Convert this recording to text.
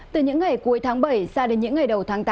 từ những ngày cuối tháng bảy sang đến những ngày đầu tháng tám